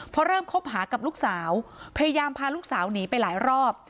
พอเริ่มคบหากับลูกสาวพยายามพาลูกสาวหนีไปหลายรอบ